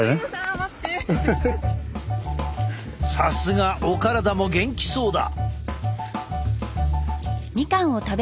さすがお体も元気そうだ。